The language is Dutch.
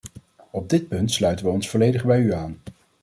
Op dit punt sluiten wij ons volledig bij u aan.